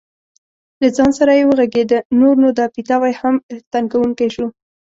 له ځان سره یې وغږېده: نور نو دا پیتاوی هم تنګوونکی شو.